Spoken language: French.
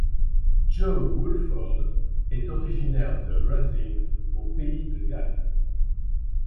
Joe Woolford est originaire de Ruthin au Pays de Galles.